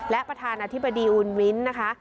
และประธานาธิบดีอุ่นวินนะคะ